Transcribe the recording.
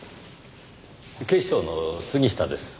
警視庁の杉下です。